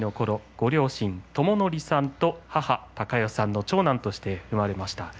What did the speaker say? ご両親、智徳さんと母、貴代さんの長男として生まれました。